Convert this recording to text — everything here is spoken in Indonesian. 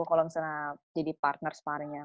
kalau misalnya jadi partner spartnya